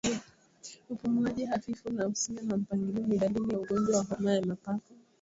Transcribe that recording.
Upumuaji hafifu na usio na mpangilio ni dalili ya ugonjwa wa homa ya mapafu